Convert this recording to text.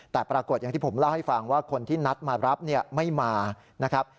แต่ปรากฏอย่างที่ผมเล่าให้ฟังว่าคนที่นัดมารับเนี่ยไม่มานะครับ